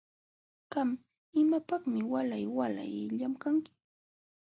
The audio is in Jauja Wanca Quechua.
Qam ¿imapaqmi waalay waalay llamkanki?